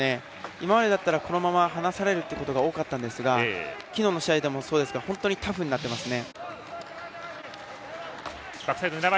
今までだったら、このまま離されることが多かったんですがきのうの試合でも本当にタフになっていますね。